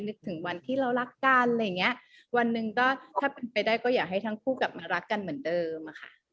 นึกถึงวันที่เรารักกันอะไรอย่างเงี้ยวันหนึ่งก็ถ้าเป็นไปได้ก็อยากให้ทั้งคู่กลับมารักกันเหมือนเดิมอะค่ะ